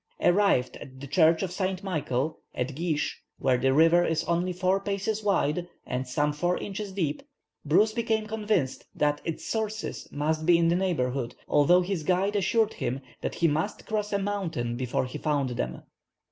Arrived at the church of St. Michael, at Geesh, where the river is only four paces wide, and some four inches deep, Bruce became convinced that its sources must be in the neighbourhood, although his guide assured him that he must cross a mountain before he found them.